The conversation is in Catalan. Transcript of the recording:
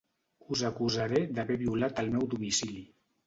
Us acusaré d'haver violat el meu domicili.